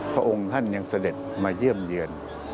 พระองค์ท่านยังเสด็จมาเยี่ยมเยือน